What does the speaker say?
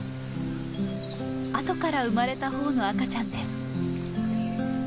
あとから生まれたほうの赤ちゃんです。